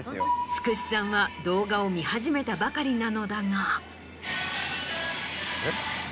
つくしさんは動画を見始めたばかりなのだが。